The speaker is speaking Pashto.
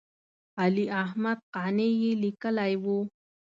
علي احمد قانع یې لیکلی و.